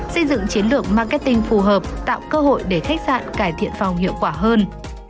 xây dựng chiến lược marketing phù hợp tạo cơ hội để khách sạn cải thiện phòng hiệu quả hơn